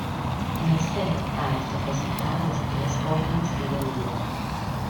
Merced a estos resultados el Sporting sigue líder.